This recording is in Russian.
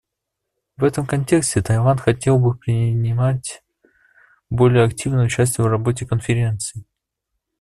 В этом контексте Таиланд хотел бы принимать более активное участие в работе Конференции.